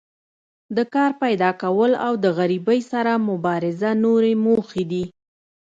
د کار پیداکول او د غریبۍ سره مبارزه نورې موخې دي.